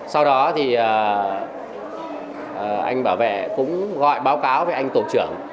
sau đó thì anh bảo vệ cũng gọi báo cáo với anh tổ trưởng